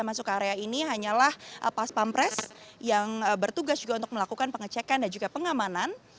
masuk ke area ini hanyalah pas pampres yang bertugas juga untuk melakukan pengecekan dan juga pengamanan